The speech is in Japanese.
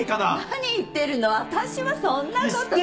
何言ってるの私はそんなこと。